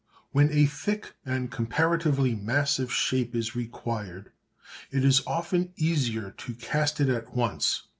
When a thick and comparatively massive shape is required, it is often easier to cast it at once.